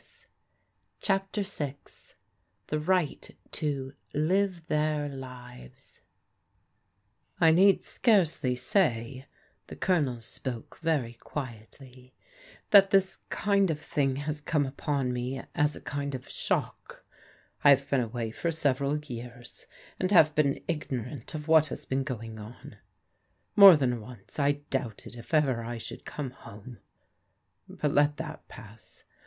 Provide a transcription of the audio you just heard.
I CHAPTERVI THE RIGHT TO "LIVE THEIR LIVES" NEED scarcely say," — ^the Colonel spoke very quietly, —" that this kind of thing has come upon me as a kind of shock. I have been away for sev eral years, and have been ignorant of what has been go ing on. More than once I doubted if ever I should come home; — ^but let that pass.